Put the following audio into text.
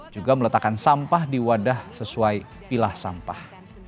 juga meletakkan sampah di wadah sesuai pilah sampah